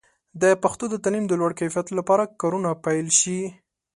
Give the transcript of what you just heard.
د پښتو د تعلیم د لوړ کیفیت لپاره کارونه پیل شي.